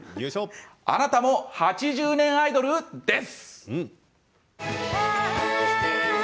あなたも８０’ｓアイドル！？です。